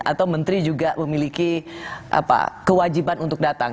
atau menteri juga memiliki kewajiban untuk datang